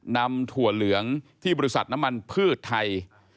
ถั่วเหลืองที่บริษัทน้ำมันพืชไทย